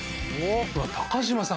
高島さん